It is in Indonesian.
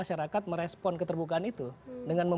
apa yang dilakukan publik saat ini terlepas dari komentarnya